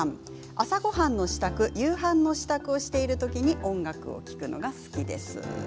朝ごはんの支度夕飯の支度をしている時に音楽を聴くのが好きです。